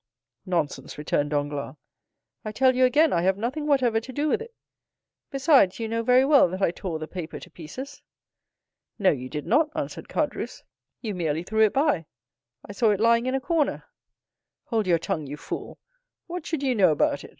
"Nonsense," returned Danglars, "I tell you again I have nothing whatever to do with it; besides, you know very well that I tore the paper to pieces." "No, you did not!" answered Caderousse, "you merely threw it by—I saw it lying in a corner." "Hold your tongue, you fool!—what should you know about it?